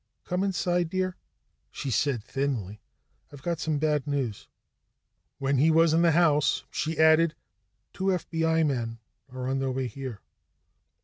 "Come inside, dear," she said thinly. "I've got some bad news." When he was in the house, she added: "Two FBI men are on their way here."